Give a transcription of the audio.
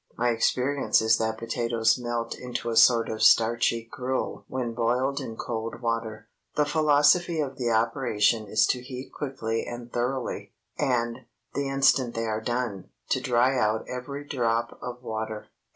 My experience is that potatoes melt into a sort of starchy gruel when boiled in cold water. The philosophy of the operation is to heat quickly and thoroughly, and, the instant they are done, to dry out every drop of water.